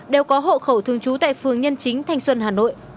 đều có hộ khẩu thường trú tại phường nhân chính thanh xuân hà nội